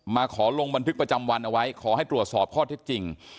มาขอลงบันทึกประจำวันเอาไว้ขอให้ตรวจสอบข้อเท็จจริง